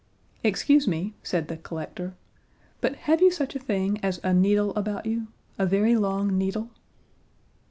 "Excuse me," said the collector, "but have you such a thing as a needle about you a very long needle?"